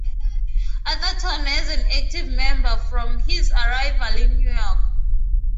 Atherton as an active member from his arrival in New York.